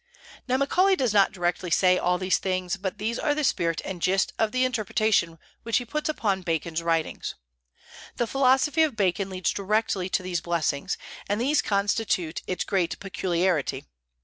Now Macaulay does not directly say all these things, but these are the spirit and gist of the interpretation which he puts upon Bacon's writings. The philosophy of Bacon leads directly to these blessings; and these constitute its great peculiarity.